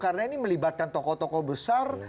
karena ini melibatkan tokoh tokoh besar